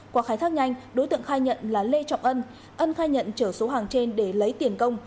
qua khai thác nhanh đối tượng khai nhận là lê trọng ân ân khai nhận chở số hàng trên để lấy tiền công